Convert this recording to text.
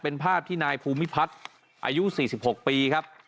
เป็นภาพที่นายภูมิพัฒน์อายุ๔๖ปีครับ